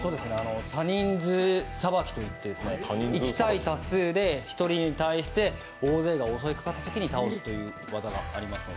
多人数さばきといって１対多数で１人に対して大勢が襲いかかったときに倒すという技がありますので。